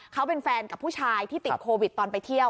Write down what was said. เขาเป็นแฟนกับผู้ชายที่ติดโควิดตอนไปเที่ยว